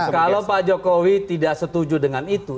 kalau pak jokowi tidak setuju dengan itu